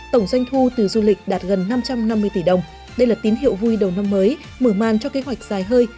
tổng doanh thu từ du lịch đạt gần năm trăm năm mươi tỷ đồng đây là tín hiệu vui đầu năm mới mở màn cho kế hoạch dài hơi